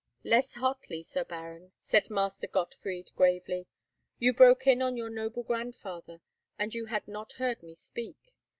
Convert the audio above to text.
"Less hotly, Sir Baron," said Master Gottfried, gravely. "You broke in on your noble godfather, and you had not heard me speak.